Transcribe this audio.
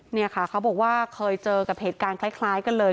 เนี่ยค่ะเขาบอกว่าเคยเจอกับเหตุการณ์คล้ายกันเลย